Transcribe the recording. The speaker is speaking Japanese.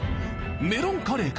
メロンカレーか？